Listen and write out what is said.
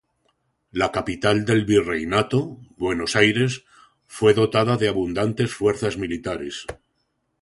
La capital del virreinato, Buenos Aires, fue dotada de abundantes fuerzas militares.